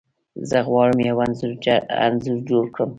زه غواړم یو انځور جوړ کړم.